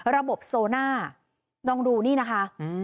ระบบโซน่าลองดูนี่นะคะ